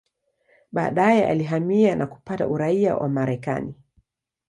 Baadaye alihamia na kupata uraia wa Marekani.